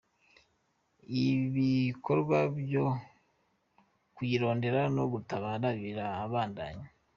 Ibikogwa vyo kuyirondera no gutabara birabandanya.